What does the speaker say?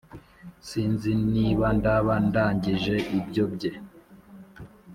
Sinzi niba ndaba ndangije ibyo bye